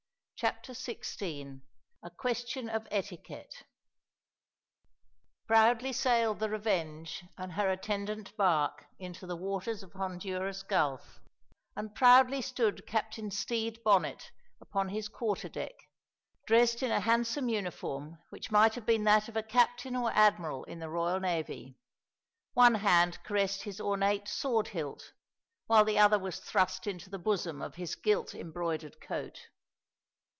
CHAPTER XVI A QUESTION OF ETIQUETTE Proudly sailed the Revenge and her attendant bark into the waters of Honduras Gulf, and proudly stood Captain Stede Bonnet upon his quarter deck, dressed in a handsome uniform which might have been that of a captain or admiral in the royal navy; one hand caressed his ornate sword hilt, while the other was thrust into the bosom of his gilt embroidered coat.